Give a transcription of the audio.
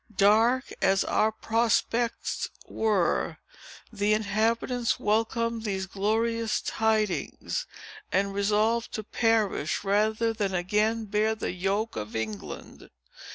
Dark as our prospects were, the inhabitants welcomed these glorious tidings, and resolved to perish, rather than again bear the yoke of England!"